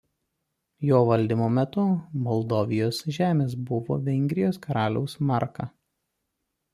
Jo valdymo metu Moldavijos žemės buvo Vengrijos karaliaus marka.